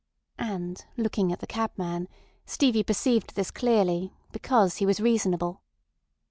And looking at the cabman, Stevie perceived this clearly, because he was reasonable.